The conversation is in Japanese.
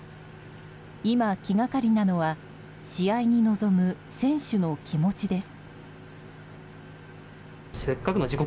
今、気がかりなのは試合に臨む選手の気持ちです。